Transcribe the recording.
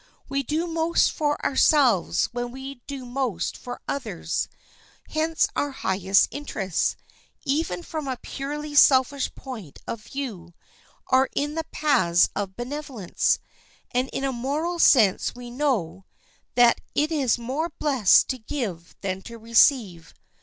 We do most for ourselves when we do most for others; hence our highest interests, even from a purely selfish point of view, are in the paths of benevolence. And in a moral sense we know "that it is more blessed to give than to receive."